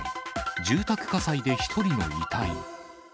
住宅火災で１人の遺体。